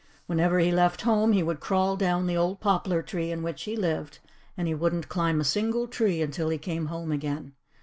Whenever he left home he would crawl down the old poplar tree in which he lived; and he wouldn't climb a single tree until he came home again.